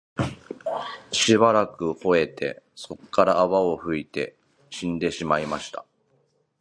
しばらく吠って、それから泡を吐いて死んでしまいました